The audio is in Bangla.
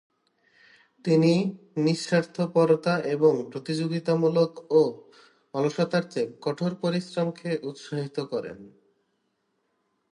তিনি নিঃস্বার্থপরতা এবং প্রতিযোগিতামূলক ও অলসতার চেয়ে কঠোর পরিশ্রমকে উৎসাহিত করেন।